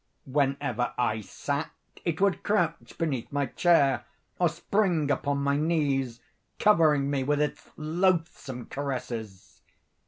Whenever I sat, it would crouch beneath my chair, or spring upon my knees, covering me with its loathsome caresses.